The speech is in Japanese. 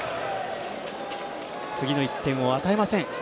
次の１点を与えません